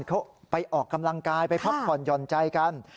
เขาไปออกกำลังกายไปพักผ่อนหย่อนใจกัน